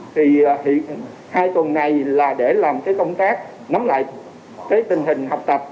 thì hai tuần này là để làm cái công tác nắm lại cái tình hình học tập